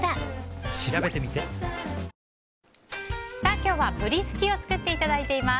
今日は、ブリすきを作っていただいています。